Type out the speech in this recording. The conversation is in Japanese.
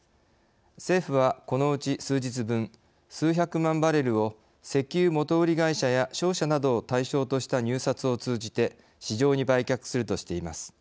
政府はこのうち数日分数百万バレルを石油元売り会社や商社などを対象とした入札を通じて市場に売却するとしています。